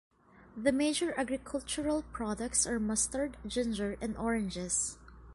The major agricultural products are mustard, ginger and oranges.